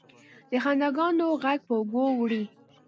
د خنداګانو، ږغ پر اوږو وړي